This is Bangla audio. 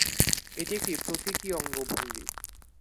এটি একটি প্রতীকী অঙ্গভঙ্গি।